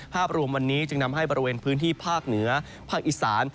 ภาพรวมวันนี้จึงทำให้บริเวณพื้นที่ภาคเหนือภาคอีสาน